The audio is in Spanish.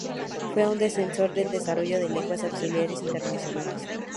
Fue un defensor del desarrollo de lenguas auxiliares internacionales.